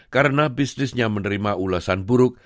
karena bisnisnya menerima ulasan buruk